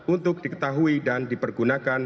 untuk diketahui dan dipergunakan